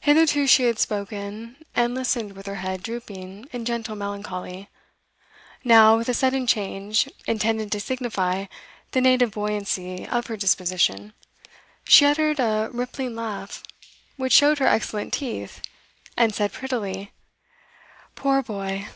Hitherto she had spoken and listened with her head drooping in gentle melancholy; now, with a sudden change intended to signify the native buoyancy of her disposition, she uttered a rippling laugh, which showed her excellent teeth, and said prettily: 'Poor boy!